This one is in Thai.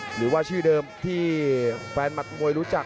หรือว่าชื่อเดิมที่แฟนมัดมวยรู้จัก